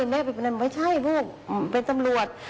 แม่บอกว่าไม่ใช่ลูกเป็นสำรวจ